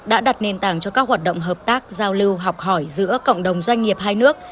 đã đặt nền tảng cho các hoạt động hợp tác giao lưu học hỏi giữa cộng đồng doanh nghiệp hai nước